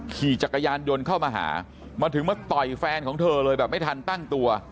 ขี่จักรยานยนต์เข้ามาหามาถึงมาต่อยแฟนของเธอเลยแบบไม่ทันตั้งตัว